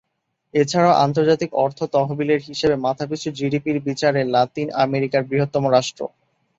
এছাড়াও আন্তর্জাতিক অর্থ তহবিলের হিসেবে মাথাপিছু জিডিপির বিচারে লাতিন আমেরিকার বৃহত্তম রাষ্ট্র।